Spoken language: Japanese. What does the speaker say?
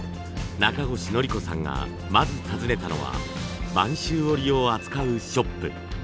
中越典子さんがまず訪ねたのは播州織を扱うショップ。